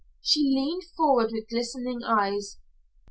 She leaned forward with glistening eyes.